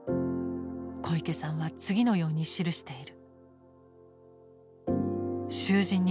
小池さんは次のように記している。